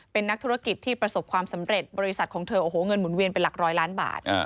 เป็นนักธุรกิจที่ประสบความสำเร็จบริษัทของเธอโอ้โหเงินหมุนเวียนเป็นหลักร้อยล้านบาท